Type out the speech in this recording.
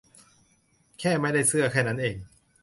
แค่ไม่ได้เสื้อแค่นั้นเอง